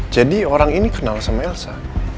jadi orang ini kenal sama welsa